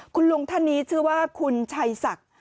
คุณลุงท่านนี้ชื่อว่าคุณชัยศักดิ์